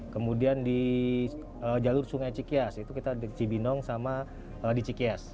kemudian di jalur sungai cikias itu kita di cibinong sama di cikeas